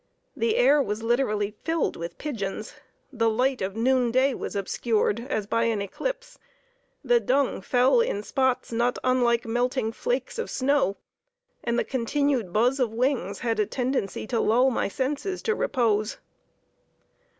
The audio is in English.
The air was literally filled with pigeons; the light of noonday was obscured as by an eclipse; the dung fell in spots, not unlike melting flakes of snow; and the continued buzz of wings had a tendency to lull my senses to repose.